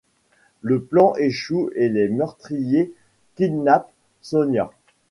Le plan échoue et les meurtriers kidnappent Sonia.